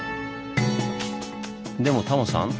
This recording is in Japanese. でもタモさん